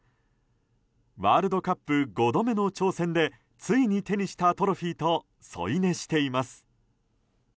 ワールドカップ５度目の挑戦でついに手にしたトロフィーと添い寝しています。